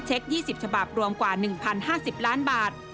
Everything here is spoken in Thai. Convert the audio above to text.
๒๐ฉบับรวมกว่า๑๐๕๐ล้านบาท